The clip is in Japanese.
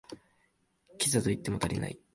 キザと言っても足りない